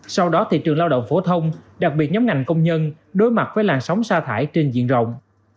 sau đó thị trường lao động phổ thông đặc biệt nhóm ngành công nhân đối mặt với làn sóng xa thải trên diện rộng